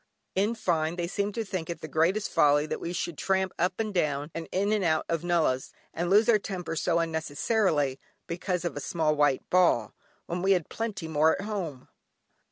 In fine, they seemed to think it the greatest folly that we should tramp up and down, and in and out of nullahs, and lose our tempers so unnecessarily, because of a small white ball, when we had plenty more at home.